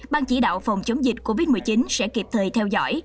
ban chỉ đạo phòng chống dịch covid một mươi chín sẽ kịp thời theo dõi